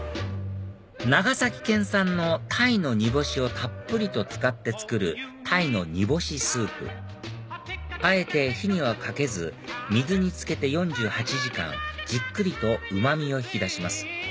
長崎県産の鯛の煮干しをたっぷりと使って作る鯛の煮干しスープあえて火にはかけず水に漬けて４８時間じっくりとうま味を引き出します